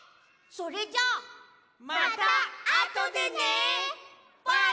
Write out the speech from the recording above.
それじゃあ。